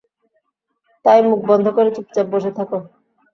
তাই মুখ বন্ধ করে চুপচাপ বসে থাক।